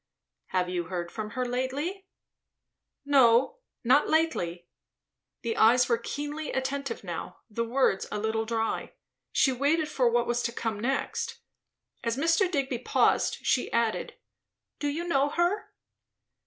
"Have you heard from her lately?" "No. Not lately." The eyes were keenly attentive now, the words a little dry. She waited for what was to come next. As Mr. Digby paused, she added, "Do you know her?"